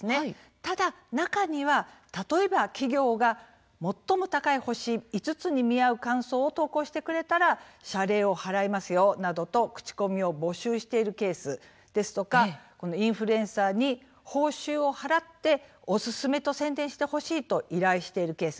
ただ中には例えば企業が最も高い星５つに見合う感想を投稿してくれたら謝礼を払いますよなどと口コミを募集しているケースですとかインフルエンサーに報酬を払って「おすすめ！」と宣伝してほしいと依頼しているケース